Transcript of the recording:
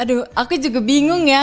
aduh aku juga bingung ya